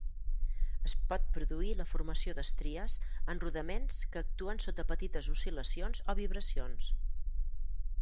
Es pot produir la formació d'estries en rodaments que actuen sota petites oscil·lacions o vibracions.